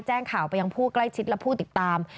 แจ้งข่าวไปยังผู้ใกล้ชิดและผู้ติดตาม